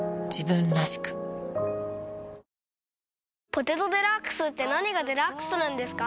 「ポテトデラックス」って何がデラックスなんですか？